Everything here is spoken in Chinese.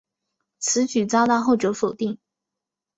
此举遭到后者否定。